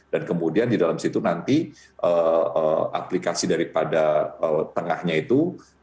kemudian di dalam situ nanti aplikasi daripada tengahnya itu